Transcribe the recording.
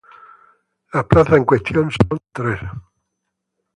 Las plazas en cuestión son tres.